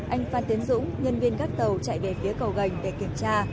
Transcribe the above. anh phan tiến dũng nhân viên các tàu chạy về phía cầu gành để kiểm tra